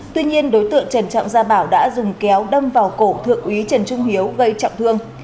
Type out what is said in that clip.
tuy nhiên đối tượng trần trọng gia bảo đã dùng kéo đâm vào cổ thượng úy trần trung hiếu gây trọng thương